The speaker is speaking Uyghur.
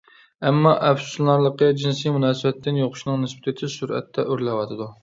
ئەمما ئەپسۇسلىنارلىقى جىنسى مۇناسىۋەتتىن يۇقۇشنىڭ نىسبىتى تېز سۈرئەتتە ئۆرلەۋاتىدۇ.